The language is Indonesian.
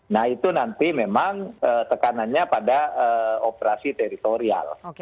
nah itu nanti memang tekanannya pada operasi teritorial